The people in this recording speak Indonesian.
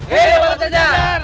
hidup batu jajar